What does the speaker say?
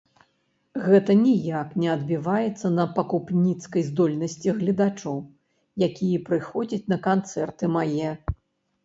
Гэта ніяк не адбіваецца на пакупніцкай здольнасці гледачоў, якія прыходзяць на канцэрты мае.